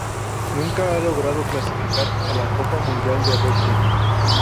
Nunca ha logrado clasificar a la Copa Mundial de Rugby.